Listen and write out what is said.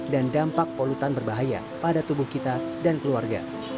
dan dampak pelutan berbahaya pada tubuh kita dan keluarga